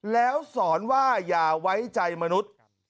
แล้วสอนว่าอย่าไว้ใจมนุษย์